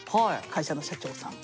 会社の社長さん。